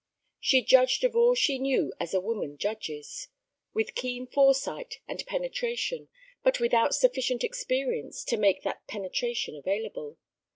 She judged of all she knew as a woman judges: with keen foresight and penetration, but without sufficient experience to make that penetration available.